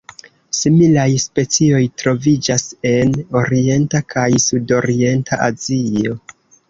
Similaj specioj troviĝas en Orienta kaj Sudorienta Azio.